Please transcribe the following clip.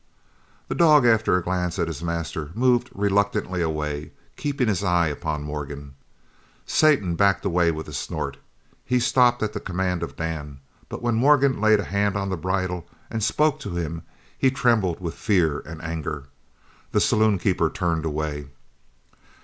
The dog, after a glance at his master, moved reluctantly away, keeping his eyes upon Morgan. Satan backed away with a snort. He stopped at the command of Dan, but when Morgan laid a hand on the bridle and spoke to him he trembled with fear and anger. The saloon keeper turned away.